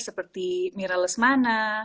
seperti mira lesmana